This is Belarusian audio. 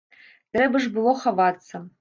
Трэба ж было хавацца.